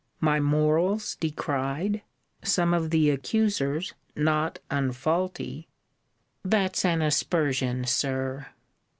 My morals decried! Some of the accusers not unfaulty! That's an aspersion, Sir!